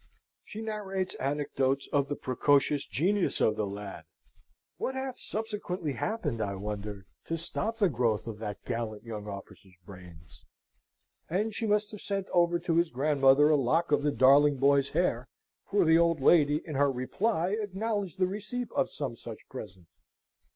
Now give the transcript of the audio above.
She narrates anecdotes of the precocious genius of the lad (what hath subsequently happened, I wonder, to stop the growth of that gallant young officer's brains?), and she must have sent over to his grandmother a lock of the darling boy's hair, for the old lady, in her reply, acknowledged the receipt of some such present.